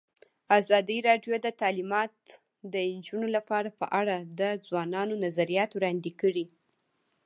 ازادي راډیو د تعلیمات د نجونو لپاره په اړه د ځوانانو نظریات وړاندې کړي.